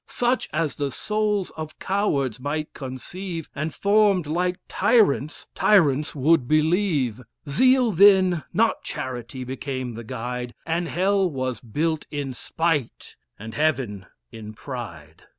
Such as the souls of cowards might conceive, And formed like tyrants; tyrants would believe. Zeal then, not charity, became the guide, And Hell was built in spite, and Heaven in pride."